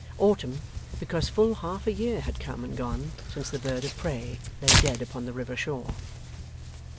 Autumn, because full half a year had come and gone since the bird of prey lay dead upon the river shore.